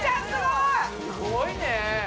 すごいね！